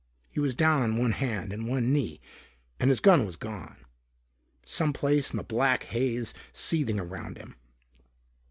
He was down on one hand and one knee and his gun was gone. Some place in the black haze seething around him.